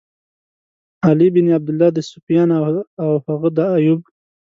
علی بن عبدالله، د سُفیان او هغه د ایوب.